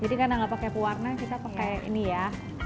jadi karena nggak pakai pewarna kita pakai ini ya